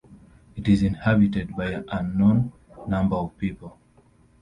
It is inhabited by an unknown number of people.